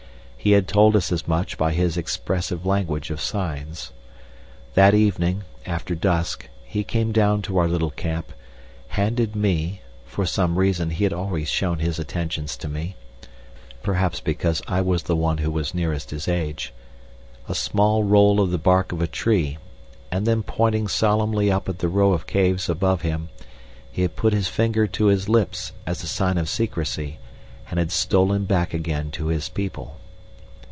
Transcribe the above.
He had told us as much by his expressive language of signs. That evening, after dusk, he came down to our little camp, handed me (for some reason he had always shown his attentions to me, perhaps because I was the one who was nearest his age) a small roll of the bark of a tree, and then pointing solemnly up at the row of caves above him, he had put his finger to his lips as a sign of secrecy and had stolen back again to his people.